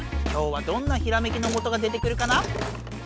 今日はどんなひらめきのもとが出てくるかな？